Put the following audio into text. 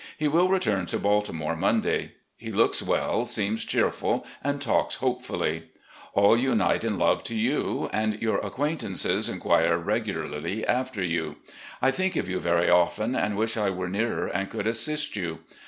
He will return to Baltimore Mon day. He looks well, seems cheerful, and talks hopefully. All tmite in love to you, and your acquaintances inquire regularly after you. I think of you very often, and wish I were nearer and could assist you.